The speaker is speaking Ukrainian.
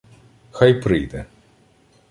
— Хай прийде.